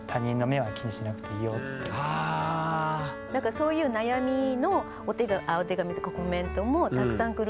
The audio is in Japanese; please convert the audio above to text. そういう悩みのお手紙とかコメントもたくさん来るんですよ。